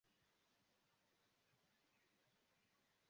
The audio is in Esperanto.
Kial li aliĝis kiel volontulo?